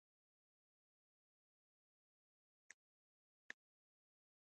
دا چیغه د خلکو غوږونو ته لاره نه شي کولای.